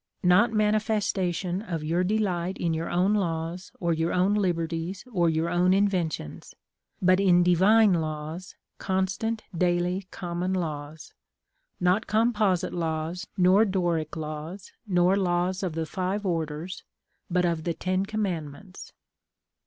Not manifestation of your delight in your own laws, or your own liberties, or your own inventions; but in divine laws, constant, daily, common laws; not Composite laws, nor Doric laws, nor laws of the five orders, but of the Ten Commandments.